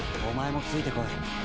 「お前もついてこい」